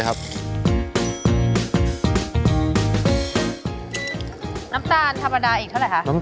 โอเคล่ะครับ